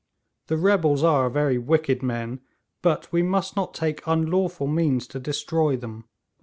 The rebels are very wicked men, but we must not take unlawful means to destroy them.'